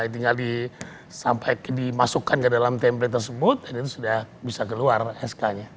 tinggal sampai dimasukkan ke dalam tempe tersebut itu sudah bisa keluar sk nya